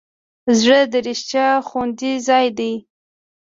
زړه د رښتیا خوندي ځای دی.